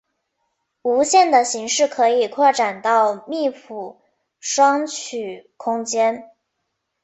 无限的形式可以扩展到密铺双曲空间。